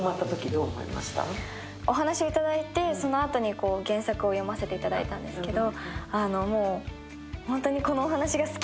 お話をいただいて、そのあとに原作を読ませていただいたんですけど。